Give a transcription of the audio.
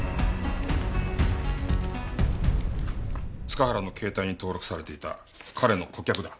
塚原の携帯に登録されていた彼の顧客だ。